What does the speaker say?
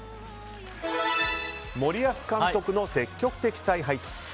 森保監督の積極的采配と。